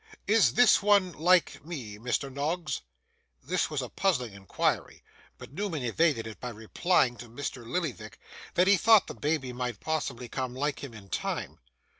Is this one like me, Mr Noggs?' This was a puzzling inquiry; but Newman evaded it, by replying to Mr Lillyvick, that he thought the baby might possibly come like him in time.